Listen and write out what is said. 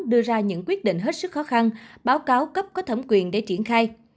đưa ra những quyết định hết sức khó khăn báo cáo cấp có thẩm quyền để triển khai